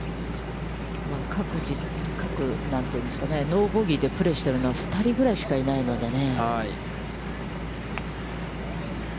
ノーボギーでプレーしているのは、２人ぐらいしかいないのでね。